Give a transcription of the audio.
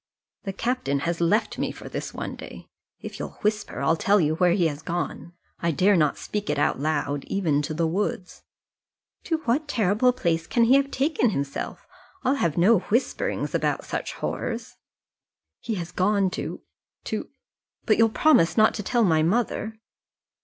"The captain has left me for this one day. If you'll whisper I'll tell you where he has gone. I dare not speak it out loud, even to the woods." "To what terrible place can he have taken himself? I'll have no whisperings about such horrors." "He has gone to to but you'll promise not to tell my mother?"